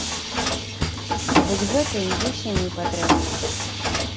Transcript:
А вось гэта ім зусім непатрэбна.